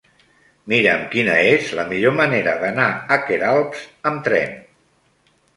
Mira'm quina és la millor manera d'anar a Queralbs amb tren.